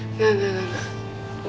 enggak enggak enggak